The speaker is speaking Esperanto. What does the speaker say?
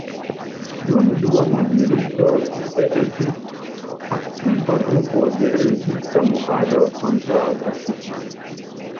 Dum dua mondmilito tie estis aktiva grupo de rezista movado kontraŭ faŝismo.